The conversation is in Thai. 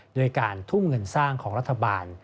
โดยการทุ่มเงินสร้างของรัฐบาล